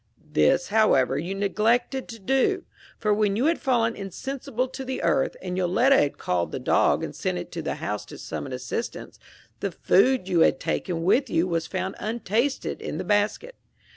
This, however, you neglected to do; for when you had fallen insensible to the earth, and Yoletta had called the dog and sent it to the house to summon assistance, the food you had taken with you was found untasted in the basket.